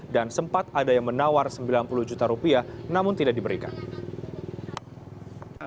dan sempat ada yang menawar sembilan puluh juta rupiah namun tidak diberikan